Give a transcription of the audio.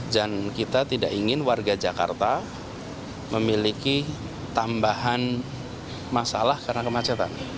dan kita tidak ingin warga jakarta memiliki tambahan masalah karena kemacetan